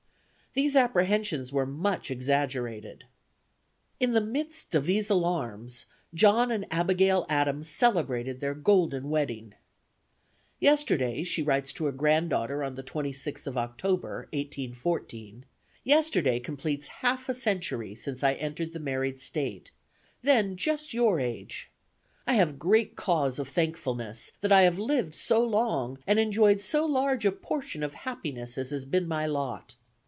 These apprehensions were much exaggerated." In the midst of these alarms, John and Abigail Adams celebrated their golden wedding. "Yesterday," she writes to a granddaughter on the 26th of October, 1814, "yesterday completes half a century since I entered the married state, then just your age. I have great cause of thankfulness, that I have lived so long and enjoyed so large a portion of happiness as has been my lot.